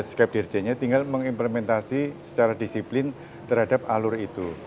skeptirjennya tinggal mengimplementasi secara disiplin terhadap alur itu